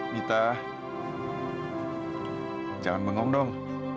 mita jangan bengong dong